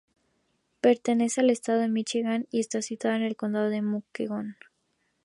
Pertenece al Estado de Míchigan y está situada en el condado de Muskegon.